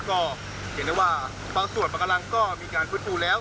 ก็เห็นได้ว่าบางส่วนบางกำลังก็มีการฟื้นฟูแล้ว